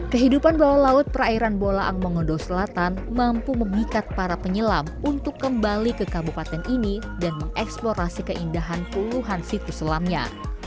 kehidupan bawah laut perairan bola angmongondo selatan mampu memikat para penyelam untuk kembali ke kabupaten ini dan mengeksplorasi keindahan puluhan situs selamnya